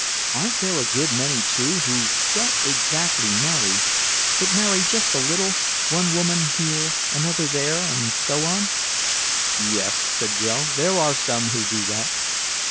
"Aren't there a good many, too, who don't exactly marry but marry just a little one woman here, another there, and so on?" "Yes," said Joe, "there are some who do that."